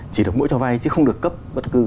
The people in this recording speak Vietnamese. chỉ được mỗi cho vay chứ không được cấp bất cứ